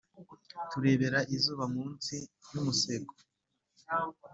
turebera izuba munsi y’umusego